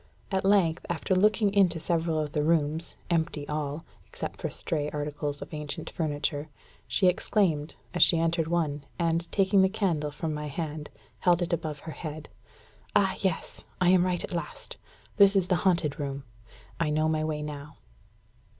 At length, after looking into several of the rooms, empty all, except for stray articles of ancient furniture, she exclaimed, as she entered one, and, taking the candle from my hand, held it above her head "Ah, yes! I am right at last. This is the haunted room. I know my way now."